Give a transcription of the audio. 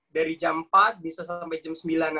dari jam empat bisa sampai jam sembilan